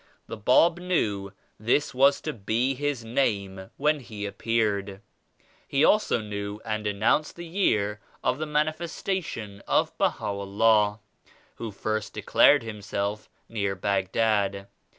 The Bab knew this was to be His Name when He appeared. He also knew and announced the year of the Manifestation of Baha'u'llah who first de clared Himself near Baghdad.